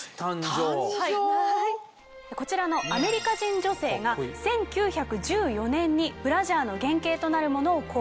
こちらのアメリカ人女性が１９１４年にブラジャーの原型となるものを考案。